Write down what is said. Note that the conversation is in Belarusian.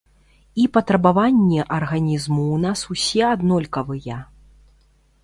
І патрабаванні арганізму ў нас усе аднолькавыя.